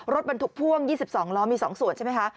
รถบรรทุกพ่วง๒๒ล้อมี๒ส่วนใช่ไหมคะ